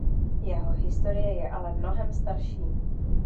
Jeho historie je ale mnohem starší.